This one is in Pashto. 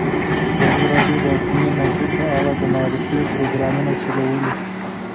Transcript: ازادي راډیو د اټومي انرژي په اړه د معارفې پروګرامونه چلولي.